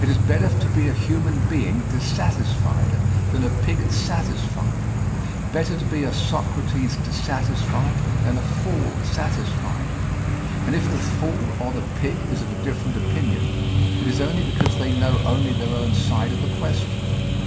It is better to be a human being dissatisfied than a pig satisfied, better to be a Socrates dissatisfied than a fool satisfied. And if the fool or the pig is of a different opinion, it is only because they know only their own side of the question.